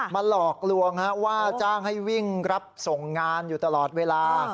หลอกลวงว่าจ้างให้วิ่งรับส่งงานอยู่ตลอดเวลา